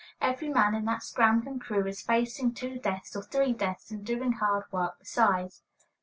Every man in that scrambling crew is facing two deaths, or three deaths, and doing hard work besides.